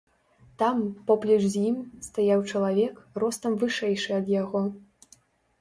Там, поплеч з ім, стаяў чалавек, ростам вышэйшы ад яго.